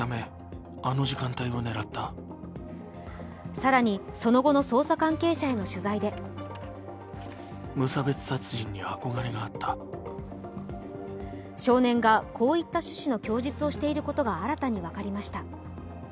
更にその後の捜査関係者への取材で少年がこういった趣旨の供述をしていることが、新たに分かりました。